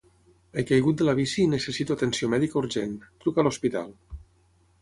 He caigut de la bici i necessito atenció mèdica urgent; truca a l'hospital.